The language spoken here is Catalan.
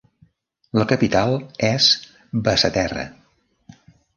La capital és Basseterre.